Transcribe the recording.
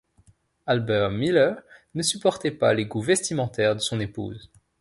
Albert Miller ne supportait pas les goûts vestimentaires de son épouse.